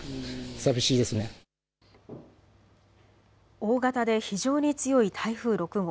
大型で非常に強い台風６号。